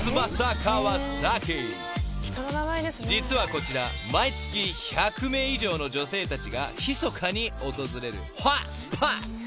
［実はこちら毎月１００名以上の女性たちがひそかに訪れるホットスポット］